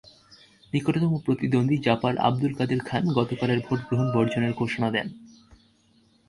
নিকটতম প্রতিদ্বন্দ্বী জাপার আবদুল কাদের খান গতকালের ভোট গ্রহণ বর্জনের ঘোষণা দেন।